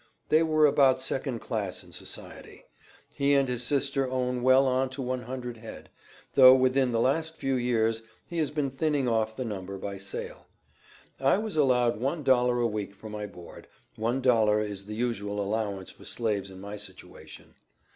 They were about second class in society. He and his sister own well on to one hundred head, though within the last few years he has been thinning off the number by sale. I was allowed one dollar a week for my board; one dollar is the usual allowance for slaves in my situation.